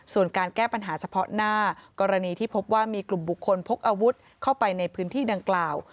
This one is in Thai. ส่วนการแก้ปัญหาเฉพาะหน้ากรณีที่พบว่ามีกลุ่มบุคคลพกอาวุธเข้าไปในพื้นที่ดังกล่าว